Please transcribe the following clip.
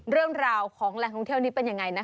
เรื่องราวของแหล่งท่องเที่ยวนี้เป็นยังไงนะคะ